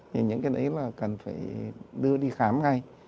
những cái đấy là cần phải đưa đi khám ngay